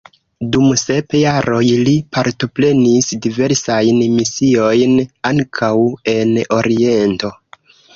Dum sep jaroj li partoprenis diversajn misiojn, ankaŭ en oriento.